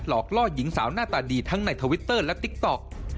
อกล่อหญิงสาวหน้าตาดีทั้งในทวิตเตอร์และติ๊กต๊อก